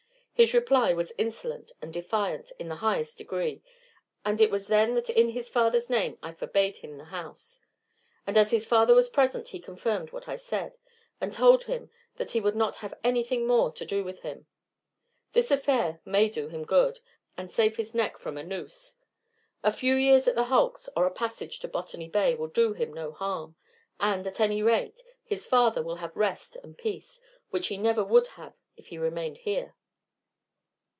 His reply was insolent and defiant in the highest degree, and it was then that in his father's name I forbade him the house, and as his father was present he confirmed what I said, and told him that he would not have anything more to do with him. This affair may do him good, and save his neck from a noose. A few years at the hulks or a passage to Botany Bay will do him no harm; and, at any rate, his father will have rest and peace, which he never would have if he remained here."